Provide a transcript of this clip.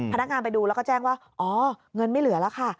พนักงานไปดูแล้วก็แจ้งว่าอ๋อเงินไม่เหลือแล้วค่ะ